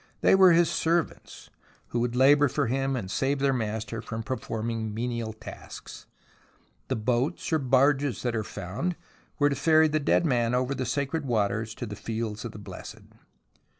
They were his servants, who would labour for him and save their master from performing menial tasks. The boats or barges that are found were to ferry the dead man over the sacred waters to the Fields of the Blessed.